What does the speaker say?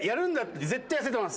絶対痩せてます。